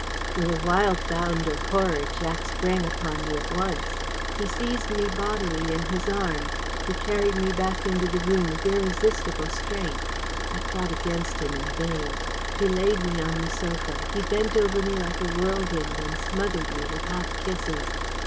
With a wild bound of horror, Jack sprang upon me at once. He seized me bodily in his arms. He carried me back into the room with irresistible strength. I fought against him in vain. He laid me on the sofa. He bent over me like a whirlwind and smothered me with hot kisses.